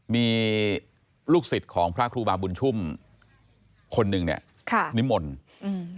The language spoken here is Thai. มีลูกศิษย์ของพระครูบาบุญชุ่มคนหนึ่งเนี้ยค่ะนิมนต์อืม